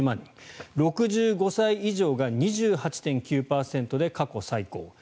６５歳以上が２８．９％で過去最高。